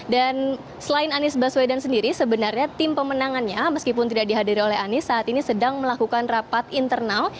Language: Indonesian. dan selain anies baswedan sendiri sebenarnya tim pemenangannya meskipun tidak dihadiri oleh anies saat ini sedang melakukan rapat internal